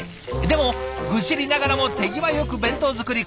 でも愚痴りながらも手際よく弁当作り。